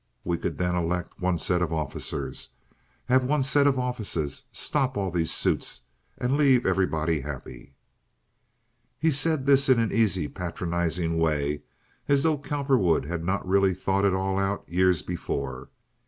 We could then elect one set of officers, have one set of offices, stop all these suits, and leave everybody happy." He said this in an easy, patronizing way, as though Cowperwood had not really thought it all out years before.